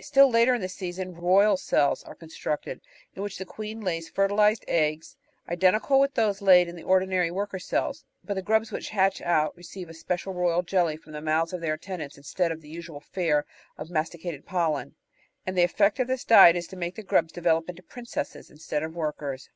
Still later in the season "royal" cells are constructed, in which the queen lays fertilised eggs, identical with those laid in the ordinary worker cells, but the grubs which hatch out receive a special "royal jelly" from the mouths of their attendants, instead of the usual fare of masticated pollen, and the effect of this diet is to make the grubs develop into "princesses" instead of workers.